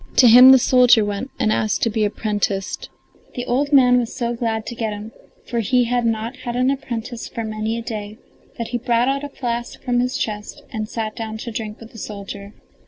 To him the soldier went and asked to be apprenticed. The old man was so glad to get him, for he had not had an apprentice for many a day, that he brought out a flask from his chest and sat down to drink with the soldier.